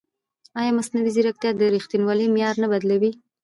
ایا مصنوعي ځیرکتیا د ریښتینولۍ معیار نه بدلوي؟